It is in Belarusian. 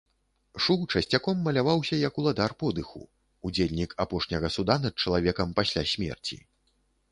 Шу часцяком маляваўся як уладар подыху, удзельнік апошняга суда над чалавекам пасля смерці.